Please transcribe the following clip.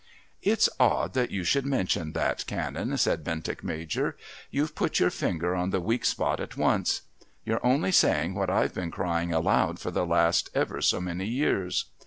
"It's odd that you should mention that, Canon," said Bentinck Major. "You've put your finger on the weak spot at once. You're only saying what I've been crying aloud for the last ever so many years.